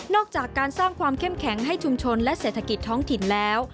จากการสร้างความเข้มแข็งให้ชุมชนและเศรษฐกิจท้องถิ่นแล้ว